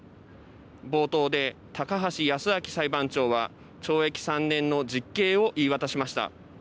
冒頭で高橋康明裁判長は懲役３年の実刑を言い渡しました。